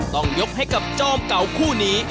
ต้องยกให้กับจอมเก่าคู่นี้